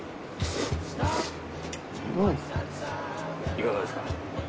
いかがですか？